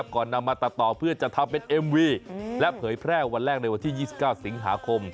ก่อนนำมาตัดต่อเพื่อจะทำเป็นเอ็มวีและเผยแพร่วันแรกในวันที่๒๙สิงหาคม